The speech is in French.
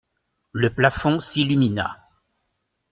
Le plafond s'illumina.